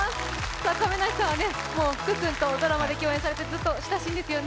亀梨さんは福君とドラマで共演されて、親しいんですよね？